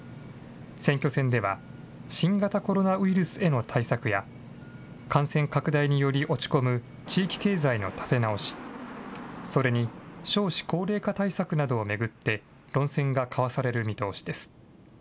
選挙戦では新型コロナウイルスへの対策や感染拡大により落ち込む地域経済の立て直し、それに少子高齢化対策などを巡って論戦が交わされる見通しです。